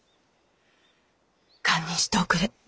堪忍しておくれ。